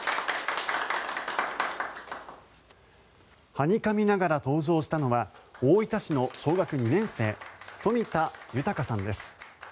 はにかみながら登場したのは大分市の小学２年生冨田豊さんです。